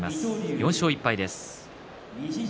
４勝１敗です。